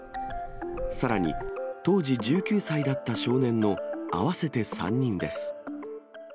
さらに、当時１９歳だった少年の合わせて３人です。